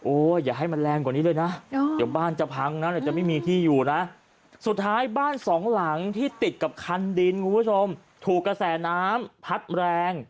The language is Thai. โอ้วอย่าให้มันแรงกว่านี้เลยนะ